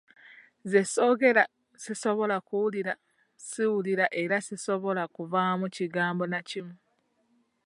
Nze soogera, sisobola kuwulira, siwulira era sisobola kuvaamu kigambo na kimu.